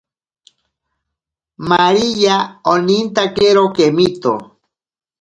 Maríya onintakero kemito.